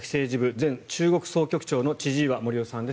前中国総局長の千々岩森生さんです。